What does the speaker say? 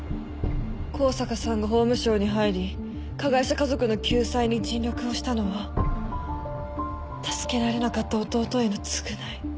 香坂さんが法務省に入り加害者家族の救済に尽力をしたのは助けられなかった弟への償い。